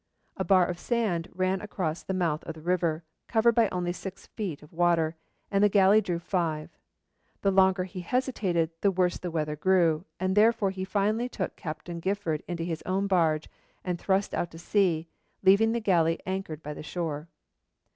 A bar of sand ran across the mouth of the river, covered by only six feet of water, and the galley drew five. The longer he hesitated, the worse the weather grew, and therefore he finally took Captain Gifford into his own barge, and thrust out to sea, leaving the galley anchored by the shore.